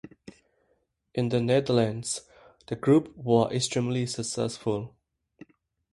In the Netherlands, the group were extremely successful.